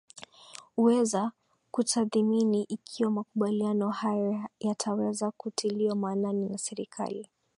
uweza kutadhimini ikiwa makumbaliano hayo yataweza kutiliwa maanani na serikali